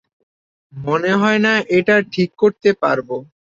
মনে হয় না এটা ঠিক করতে পারব।